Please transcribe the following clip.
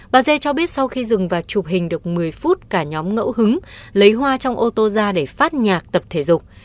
bà dê cho biết sau khi dừng và chụp hình được một mươi phút cả nhóm ngẫu hứng lấy hoa trong ô tô ra để phát nhạc tập thể dục